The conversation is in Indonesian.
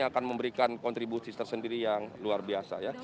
akan memberikan kontribusi tersendiri yang luar biasa ya